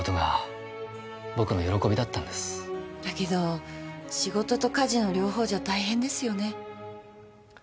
だけど仕事と家事の両方じゃ大変ですよね。